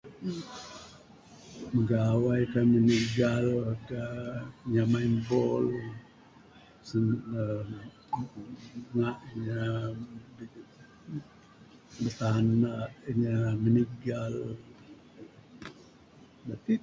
Bigawai ka minigal ka, inya main bol, uhh inya uhh bitanda, inya minigal.